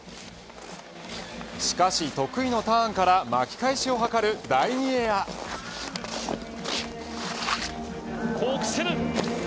しかし得意のターンから巻き返しを図る第２ギヤコーク７２０。